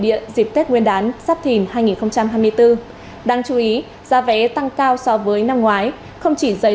điện dịp tết nguyên đán sắp thìn hai nghìn hai mươi bốn đáng chú ý giá vé tăng cao so với năm ngoái không chỉ giấy